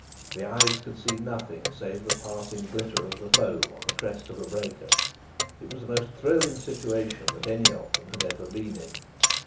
The eyes could see nothing save the passing glitter of the foam on the crest of a breaker. It was the most thrilling situation that any of them had ever been in.